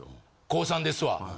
高３ですわ。